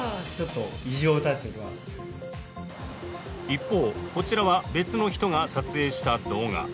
一方、こちらは別の人が撮影した動画。